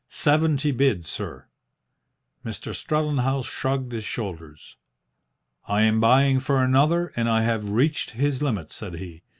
"Seventy bid, sir." Mr. Strellenhaus shrugged his shoulders. "I am buying for another, and I have reached his limit," said he.